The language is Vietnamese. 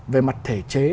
về mặt thể chế